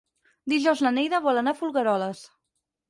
Dijous na Neida vol anar a Folgueroles.